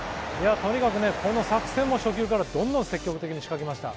とにかくこの作戦も初球からどんどん積極的に仕掛けました。